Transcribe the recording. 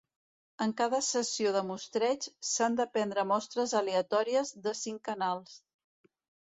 En cada sessió de mostreig s'han de prendre mostres aleatòries de cinc canals.